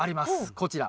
こちら。